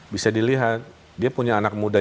bisa dilihat dia punya anak muda